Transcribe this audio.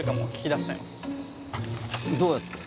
どうやって？